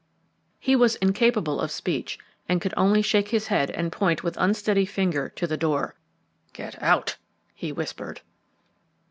He was incapable of speech and could only shake his head and point with unsteady finger to the door. "Get out," he whispered.